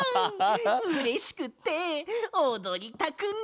うれしくっておどりたくなってきた！